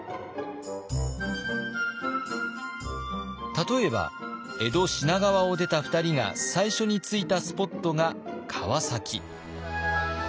例えば江戸品川を出た２人が最初に着いたスポットが川崎。